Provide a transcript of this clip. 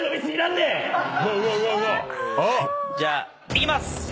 じゃあいきます！